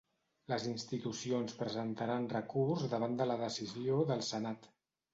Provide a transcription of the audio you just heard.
Les institucions presentaran recurs davant la decisió del senat